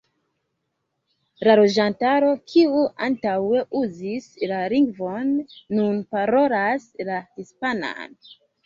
La loĝantaro, kiu antaŭe uzis la lingvon, nun parolas la hispanan.